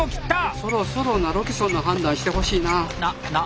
そろそろナロキソンの判断してほしいなぁ。